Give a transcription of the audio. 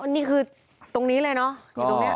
นี่คือตรงนี้เลยเนาะ